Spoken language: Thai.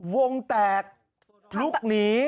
วงแตกลุกหนี